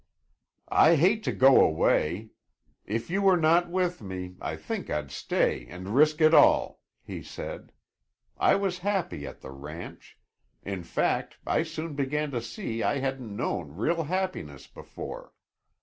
"I hate to go away. If you were not with me, I think I'd stay and risk it all," he said. "I was happy at the ranch; in fact, I soon began to see I hadn't known real happiness before.